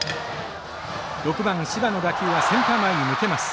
６番柴の打球はセンター前に抜けます。